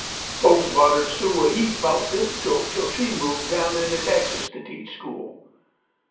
Folks bothered Sue a heap 'bout this joke till she moved down into Texas to teach school.